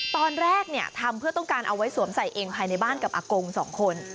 ตอนแรกทำเพื่อต้องการเอาไว้สวมใส่เองภายในบ้านกับอากง๒คน